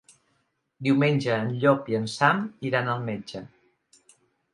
Diumenge en Llop i en Sam iran al metge.